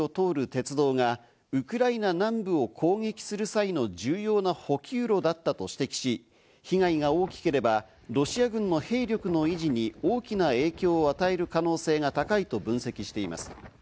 鉄道がウクライナ南部を攻撃する際の重要な補給路だったと指摘し、被害が大きければロシア軍の兵力の維持に大きな影響を与える可能性が高いと分析しています。